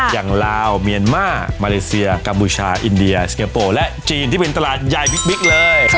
ลาวเมียนมามาเลเซียกัมพูชาอินเดียสิงคโปร์และจีนที่เป็นตลาดยายบิ๊กเลย